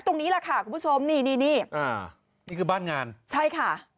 ตรงนี้แหละค่ะคุณผู้ชมนี่นี่อ่านี่คือบ้านงานใช่ค่ะ